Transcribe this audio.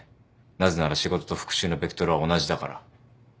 なぜなら仕事と復讐のベクトルは同じだから。